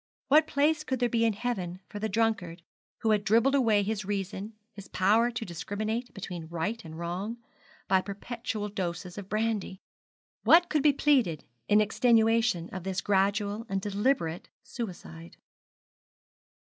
What place could there be in heaven for the drunkard, who had dribbled away his reason, his power to discriminate between right and wrong, by perpetual doses of brandy? what could be pleaded in extenuation of this gradual and deliberate suicide?